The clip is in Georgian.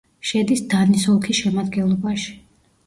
შედის დანის ოლქის შემადგენლობაში.